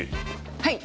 はい。